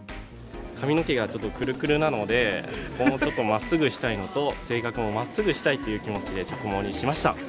髪の毛がちょっとくるくるなのでもうちょっとまっすぐしたいのと性格もまっすぐしたいという気持ちで「直毛」にしました。